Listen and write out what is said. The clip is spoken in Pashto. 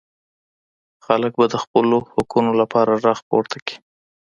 خلګ به د خپلو حقونو لپاره ږغ پورته کړي.